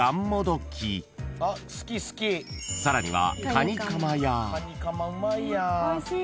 ［さらには］